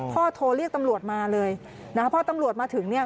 พ่อโทรเรียกตำรวจมาเลยพ่อตำรวจมาถึง